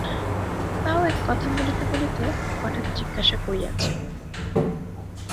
তাও এক কথা বলিতে বলিতে হঠাৎ জিজ্ঞাসা করিয়াছে।